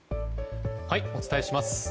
お伝えします。